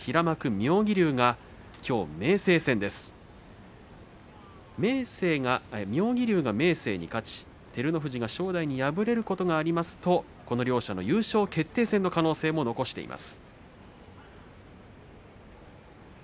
妙義龍が明生に勝ち照ノ富士が正代に敗れますとこの両者の優勝決定戦の可能性も残されています。